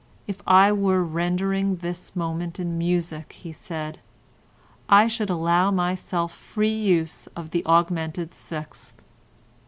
"If I were rendering this moment in music," he said, "I should allow myself free use of the augmented sixth."